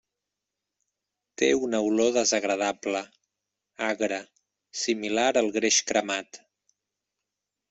Té una olor desagradable, agre, similar al greix cremat.